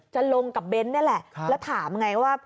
จะลงกับเบนท์นี่แหละแล้วถามไงว่า